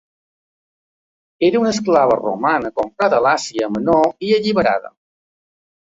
Era una esclava romana comprada a l'Àsia Menor i alliberada.